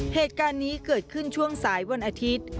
เหตุการณ์นี้เกิดขึ้นช่วงสายวันอาทิตย์